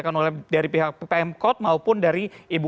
boleh diulang kembali ibu